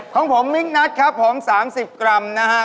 ของผมมิกนัทครับผม๓๐กรัมนะฮะ